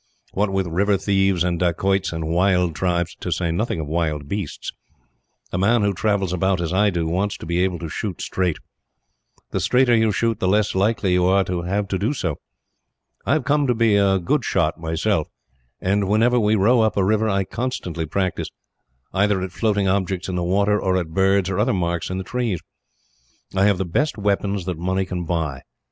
What with river thieves, and dacoits, and wild tribes to say nothing of wild beasts a man who travels about, as I do, wants to be able to shoot straight. The straighter you shoot, the less likely you are to have to do so. I have come to be a good shot myself and, whenever we row up a river, I constantly practise either at floating objects in the water, or at birds or other marks in the trees. I have the best weapons that money can buy.